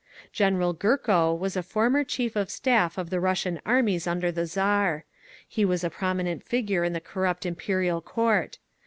GENERAL GURKO was a former Chief of Staff of the Russian armies under the Tsar. He was a prominent figure in the corrupt Imperial Court.